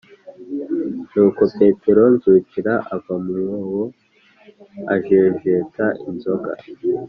nuko petero nzukira ava mu mwobo ajejeta inzoga.